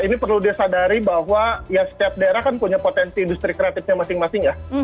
ini perlu disadari bahwa ya setiap daerah kan punya potensi industri kreatifnya masing masing ya